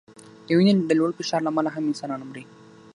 د وینې د لوړ فشار له امله هم انسانان مري.